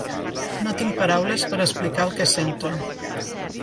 No tinc paraules per explicar el que sento.